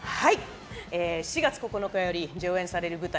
４月９日より上演される舞台